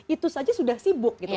itu saja sudah sibuk